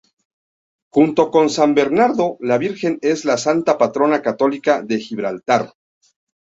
Junto con San Bernardo, la virgen es la santa patrona católica de Gibraltar.